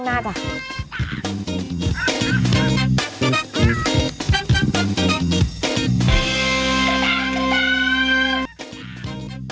ติดตามติดตาม